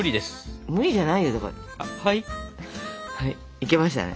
いけましたね。